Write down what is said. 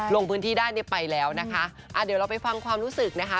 ลงพื้นที่ได้เนี่ยไปแล้วนะคะอ่าเดี๋ยวเราไปฟังความรู้สึกนะคะ